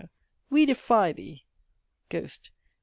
We defy thee! "GHOST.